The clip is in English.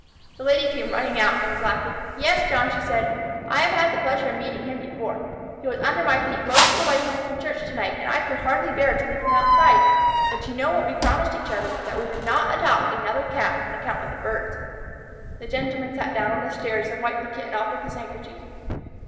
The Lady came running out and was laughing. "Yes, John," she said, "I have had the pleasure of meeting him before. He was under my feet most of the way home from church to night, and I could hardly bear to leave him outside. But you know what we promised each other, that we would not adopt another Cat, on account of the birds." The Gentleman sat down upon the stairs and wiped the Kitten off with his handkerchief.